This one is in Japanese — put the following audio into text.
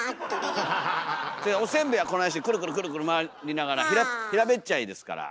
でおせんべいはこないしてくるくる回りながら平べっちゃいですから。